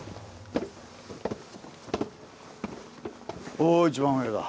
おお一番上だ。